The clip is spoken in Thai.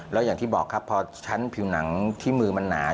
แล้วอย่างที่บอกครับพอชั้นผิวหนังที่มือมันหนา